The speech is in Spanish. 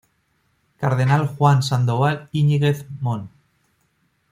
Cardenal Juan Sandoval Íñiguez, Mon.